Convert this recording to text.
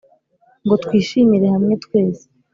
Ngo twishimire hamwe twese